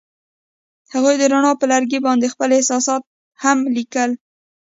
هغوی د رڼا پر لرګي باندې خپل احساسات هم لیکل.